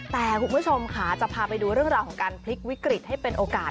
แต่คุณผู้ชมค่ะจะพาไปดูเรื่องราวของการพลิกวิกฤตให้เป็นโอกาส